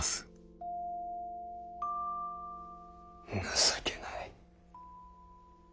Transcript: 情けない。